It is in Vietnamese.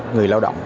người lao động